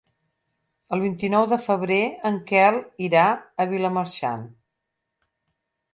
El vint-i-nou de febrer en Quel irà a Vilamarxant.